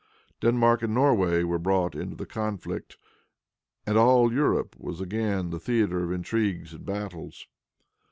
Denmark and Norway were brought into the conflict, and all Europe was again the theater of intrigues and battles.